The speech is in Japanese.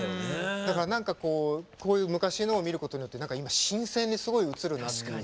だから何かこうこういう昔のを見ることによって何か今新鮮にすごい映るなっていう。